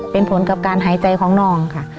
เป็นผลกับการหายใจของน้องค่ะ